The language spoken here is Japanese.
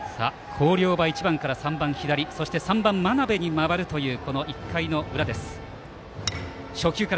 広陵は１番から３番が左そして３番、真鍋に回るという１回の裏です。